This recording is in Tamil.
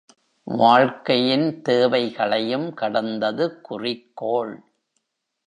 வாழ்க்கையின் தேவைகளையும் கடந்தது குறிக்கோள்.